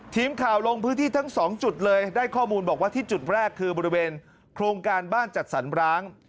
ทีมข่าวลงพื้นที่ทั้งสองจุดเลยได้ข้อมูลบอกว่าที่จุดแรกคือบริเวณโครงการบ้านจัดสรร้าง